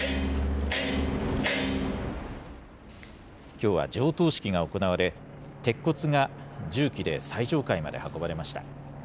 きょうは上棟式が行われ、鉄骨が重機で最上階まで運ばれました。